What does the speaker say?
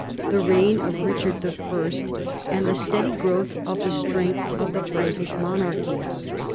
the reign of Richard I., and the steady growth of the strength of the Frankish monarchy.